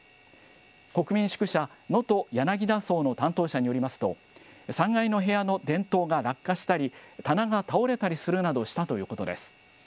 国民宿舎能登やなぎだ荘の担当者によりますと、３階の部屋の電灯が落下したり、棚が倒れたりするなどしたということです。